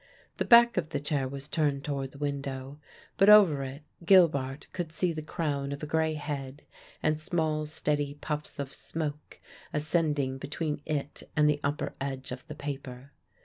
The back of the chair was turned toward the window, but over it Gilbart could see the crown of a grey head and small, steady puffs of smoke ascending between it and the upper edge of the paper.